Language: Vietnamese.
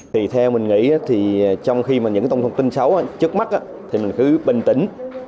thì theo mình nghĩ thì trong khi mà những thông tin xấu trước mắt thì mình cứ bình tĩnh